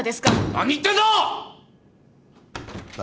何言ってんだ！